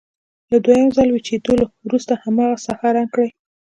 له دویم ځل وچېدلو وروسته هماغه ساحه رنګ کړئ.